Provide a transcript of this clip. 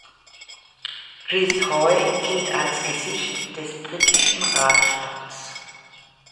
Chris Hoy gilt als „Gesicht des britischen Radsports“.